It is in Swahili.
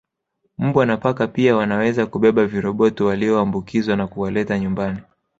Mbwa na paka pia wanaweza kubeba viroboto walioambukizwa na kuwaleta nyumbani